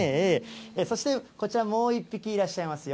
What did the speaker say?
そして、こちらもう１匹いらっしゃいますよ。